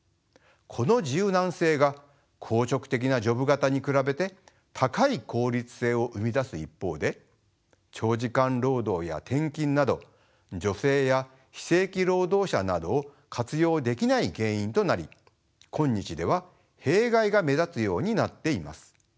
この柔軟性が硬直的なジョブ型に比べて高い効率性を生み出す一方で長時間労働や転勤など女性や非正規労働者などを活用できない原因となり今日では弊害が目立つようになっています。